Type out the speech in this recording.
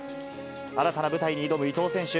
新たな舞台に挑む伊藤選手。